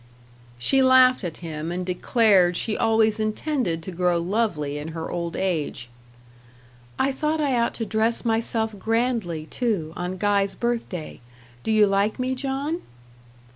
She laughed at him, and declared she always intended to grow lovely in her old age. "I thought I ought to dress myself grandly, too, on Guy's birthday. Do you like me, John?"